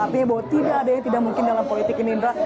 artinya bahwa tidak ada yang tidak mungkin dalam politik ini indra